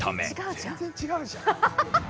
全然違うじゃん。